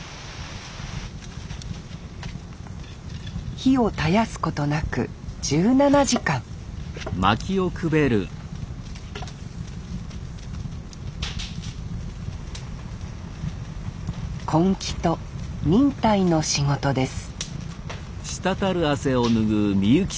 火を絶やすことなく１７時間根気と忍耐の仕事です